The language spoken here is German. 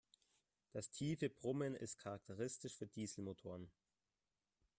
Das tiefe Brummen ist charakteristisch für Dieselmotoren.